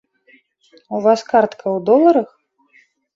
У вас картка ў доларах?